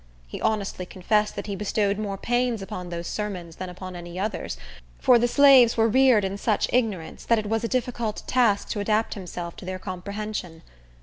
He honestly confessed that he bestowed more pains upon those sermons than upon any others; for the slaves were reared in such ignorance that it was a difficult task to adapt himself to their comprehension.